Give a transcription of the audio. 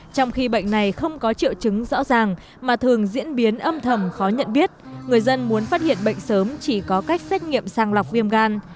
trong khi bệnh này không có triệu chứng rõ ràng mà thường diễn biến âm thầm khó nhận biết người dân muốn phát hiện bệnh sớm chỉ có cách xét nghiệm sang lọc viêm gan